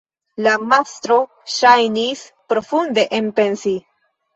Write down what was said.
La mastro ŝajnis profunde enpensi.